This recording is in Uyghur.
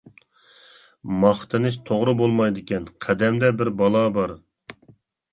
ماختىنىش توغرا بولمايدىكەن، قەدەمدە بىر بالا بار!